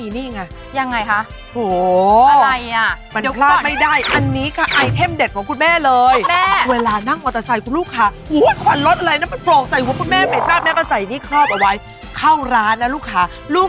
นั่งมอเตอร์ไซค์ไปปึ๊บเนี่ยนะลูก